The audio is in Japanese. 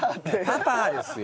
「パパ！」ですよ。